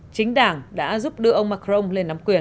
chính đảng đã giúp đưa ông macron lên nắm quyền